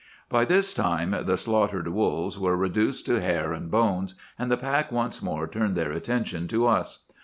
"By this time the slaughtered wolves were reduced to hair and bones, and the pack once more turned their attention to us.